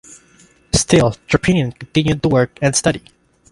Still Tropinin continued to work and study.